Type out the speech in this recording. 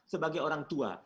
sebagai orang tua